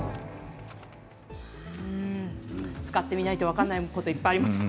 使ってみないと分からないことがいっぱいありました。